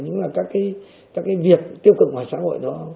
như là các cái việc tiêu cực ngoài xã hội